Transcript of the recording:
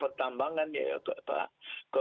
pertambangan ya ya pak